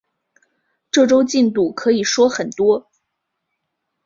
这周进度可以说很多